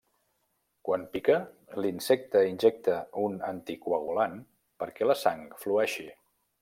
Quan pica, l'insecte injecta un anticoagulant perquè la sang flueixi.